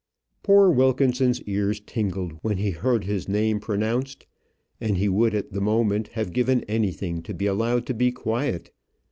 Poor Wilkinson's ears tingled when he heard his name pronounced; and he would at the moment have given anything to be allowed to be quiet.